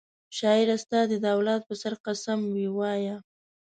شاعره ستا دي د اولاد په سر قسم وي وایه